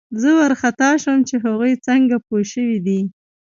زه وارخطا شوم چې هغوی څنګه پوه شوي دي